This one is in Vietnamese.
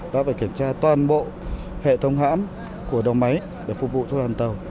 đã phải kiểm tra toàn bộ hệ thống hãm của đầu máy để phục vụ cho đoàn tàu